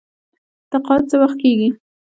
تقاعد څه وخت کیږي؟